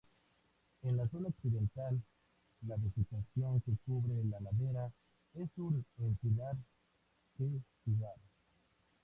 En la zona occidental, la vegetación que cubre la ladera es un encinar-quejigar.